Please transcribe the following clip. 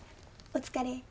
お疲れ。